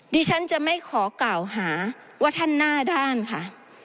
ดิฉันจะไม่ขอกล่าวหาว่าท่านหน้าด้านค่ะ